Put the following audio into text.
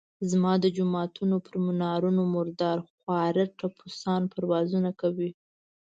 زما د جوماتونو پر منارونو مردار خواره ټپوسان پروازونه کوي.